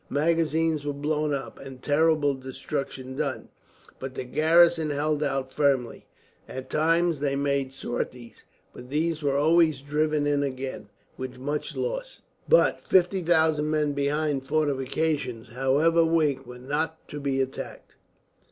Magazines were blown up, and terrible destruction done, but the garrison held out firmly. At times they made sorties, but these were always driven in again, with much loss. But 50,000 men behind fortifications, however weak, were not to be attacked.